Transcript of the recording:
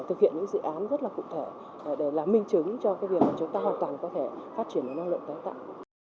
thực hiện những dự án rất cụ thể để làm minh chứng cho việc chúng ta hoàn toàn có thể phát triển năng lượng tái tạo